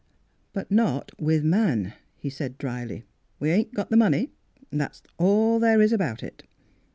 " But not with man," he said dryly. " We ain't got the money. That's all there is about it."